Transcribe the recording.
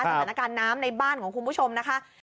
สถานการณ์น้ำในบ้านของคุณผู้ชมนะคะ